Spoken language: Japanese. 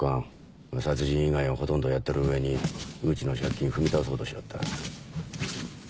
殺人以外はほとんどやってる上にうちの借金踏み倒そうとしよった。